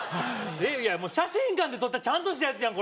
えっいや写真館で撮ったちゃんとしたやつやん